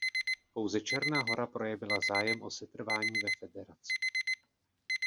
Pouze Černá Hora projevila zájem o setrvání ve federaci.